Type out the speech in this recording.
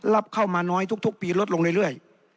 รับเข้ามาน้อยทุกปีลดลงเรื่อย